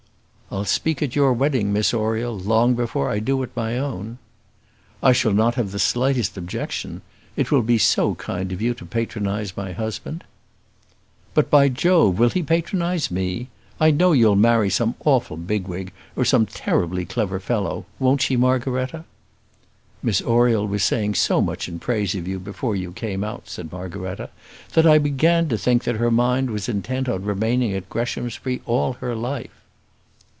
"I'll speak at your wedding, Miss Oriel, long before I do at my own." "I shall not have the slightest objection. It will be so kind of you to patronise my husband." "But, by Jove, will he patronise me? I know you'll marry some awful bigwig, or some terribly clever fellow; won't she, Margaretta?" "Miss Oriel was saying so much in praise of you before you came out," said Margaretta, "that I began to think that her mind was intent on remaining at Greshamsbury all her life."